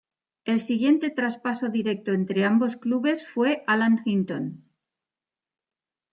El siguiente traspaso directo entre ambos clubes fue Alan Hinton.